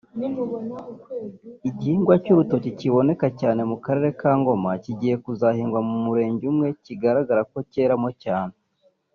Igihingwa cy’urutoki kiboneka cyane mu karere kaNgoma kigiye kuzahingwa mu murenge umwe kigaragara ko cyeramo cyane